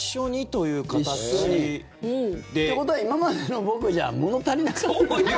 ということは今までの僕じゃ物足りなかった？